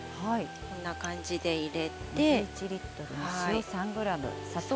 こんな感じで入れて。